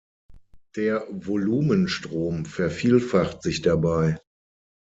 Der Volumenstrom vervielfacht sich dabei.